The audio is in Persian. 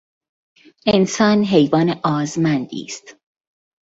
انسان حیوان آزمندی است.